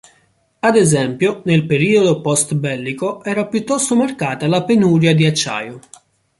Ad esempio, nel periodo postbellico era piuttosto marcata la penuria di acciaio.